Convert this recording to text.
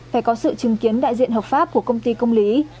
phải có sự chứng kiến đại diện hợp pháp của công ty công lý